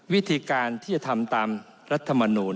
วิธีการที่จะทำตามรัฐมนูล